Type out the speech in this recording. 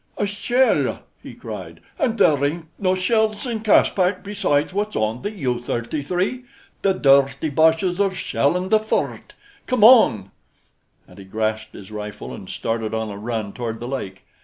"A shell!" he cried. "And there ain't no shells in Caspak besides what's on the U 33. The dirty boches are shellin' the fort. Come on!" And he grasped his rifle and started on a run toward the lake.